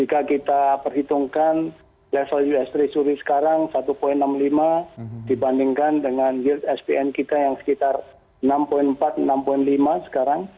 jika kita perhitungkan level us treasury sekarang satu enam puluh lima dibandingkan dengan yield spn kita yang sekitar enam empat enam lima sekarang